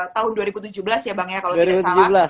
tahun dua ribu tujuh belas ya bang ya kalau tidak salah